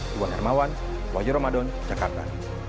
buan hermawan wajar ramadan jakarta